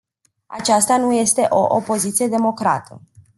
Aceasta nu este o opoziție democrată.